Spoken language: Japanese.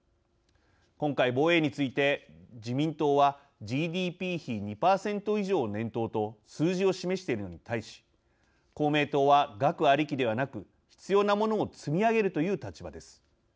今回、防衛費について自民党は「ＧＤＰ比２％以上を念頭」と数字を示しているのに対し公明党は「額ありきではなく必要なものを積み上げる」という立場です。